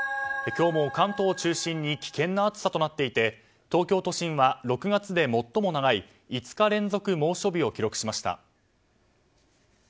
今日も関東を中心に危険な暑さとなっていて東京都心は６月で最も長い５日連続猛暑日を記録しました。